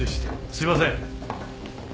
すいません。